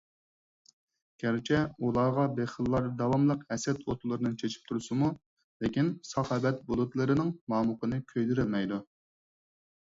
گەرچە ئۇلارغا بېخىللار داۋاملىق ھەسەت ئوتلىرىنى چېچىپ تۇرسىمۇ، لېكىن، ساخاۋەت بۇلۇتلىرىنىڭ مامۇقىنى كۆيدۈرەلمەيدۇ.